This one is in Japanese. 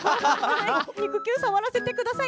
肉球触らせてください